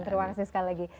terima kasih sekali lagi